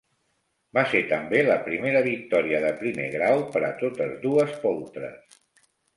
Va ser també la primera victòria de primer grau per a totes dues poltres.